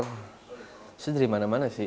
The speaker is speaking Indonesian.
saya sendiri mana mana sih